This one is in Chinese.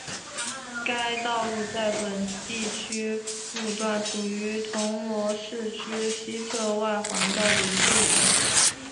该道路在本地区路段属于铜锣市区西侧外环道的一部分。